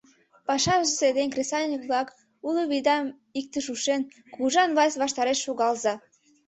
«...пашазе ден кресаньык-влак, уло вийдам иктыш ушен, кугыжан власть ваштареш шогалза!